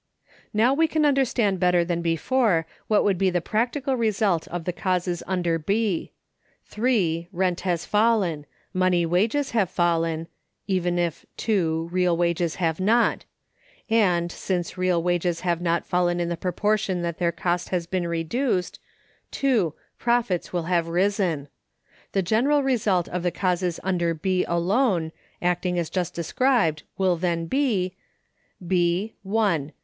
Now we can understand better than before what would be the practical result of the causes under B. (3.) Rent has fallen; money wages have fallen (even if (2) real wages have not); and, since real wages have not fallen in the proportion that their cost has been reduced, (2) profits will have risen. The general result of the causes under B alone, acting as just described, will then be: B. (1.)